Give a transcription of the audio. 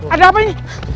ada apa ini